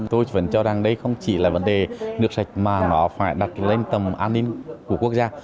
tôi vẫn cho rằng đây không chỉ là vấn đề nước sạch mà nó phải đặt lên tầm an ninh của quốc gia